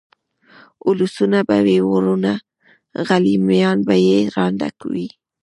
اولسونه به وي وروڼه غلیمان به یې ړانده وي